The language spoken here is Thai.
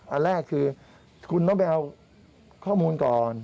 อันแรกคือคุณต้องไปเอาข้อมูลก่อน